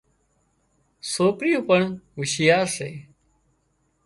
سوڪريو پڻ هوشيارا سي